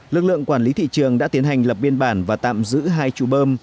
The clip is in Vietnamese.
lực lượng quản lý thị trường đã tiến hành lập biên bản và tạm giữ hai trụ bơm